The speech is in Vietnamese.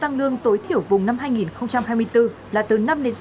tăng lương tối thiểu vùng năm hai nghìn hai mươi bốn là từ năm sáu